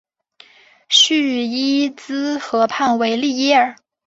叙伊兹河畔维利耶尔。